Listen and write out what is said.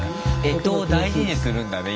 干支を大事にするんだね